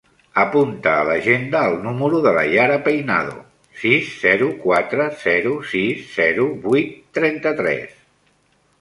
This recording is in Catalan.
Apunta a l'agenda el número de la Yara Peinado: sis, zero, quatre, zero, sis, zero, vuit, trenta-tres.